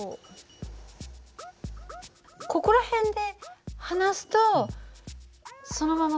ここら辺で放すとそのまま